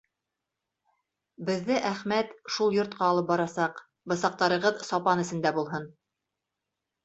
Беҙҙе Әхмәт шул йортҡа алып барасаҡ, бысаҡтарығыҙ сапан эсендә булһын!